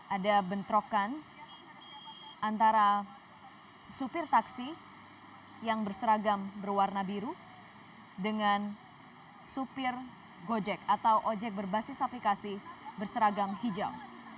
ada bentrokan antara supir taksi yang berseragam berwarna biru dengan supir gojek atau ojek berbasis aplikasi berseragam hijau